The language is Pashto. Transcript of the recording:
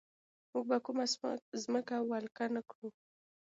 موږ به کومه ځمکه ولکه نه کړو.